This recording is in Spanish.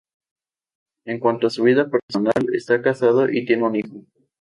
En cuanto a su vida personal, está casado y tiene un hijo.